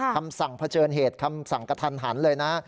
คำสั่งเผชิญเหตุคำสั่งกระทันหันเลยนะ